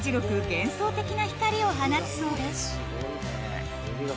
幻想的な光を放つそうです